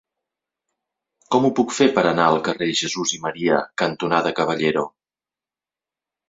Com ho puc fer per anar al carrer Jesús i Maria cantonada Caballero?